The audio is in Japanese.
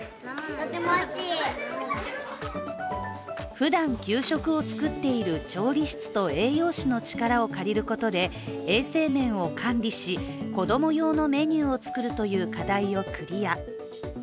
ふだん給食を作っている調理室と栄養士の力を借りることで衛生面を管理し、子供用のメニューを作るという課題をクリア。